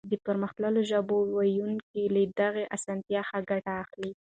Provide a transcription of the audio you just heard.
د پرمختللو ژبو ويونکي له دغې اسانتيا ښه ګټه اخلي.